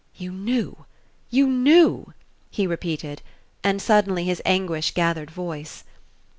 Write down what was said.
"You knew you knew " he repeated; and suddenly his anguish gathered voice.